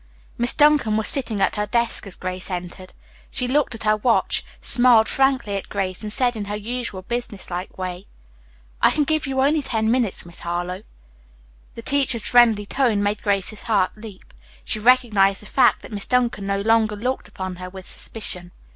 Miss Duncan was sitting at her desk as Grace entered. She looked at her watch, smiled frankly at Grace and said in her usual businesslike way, "I can give you only ten minutes, Miss Harlowe." The teacher's friendly tone made Grace's heart leap. She recognized the fact that Miss Duncan no longer looked upon her with suspicion.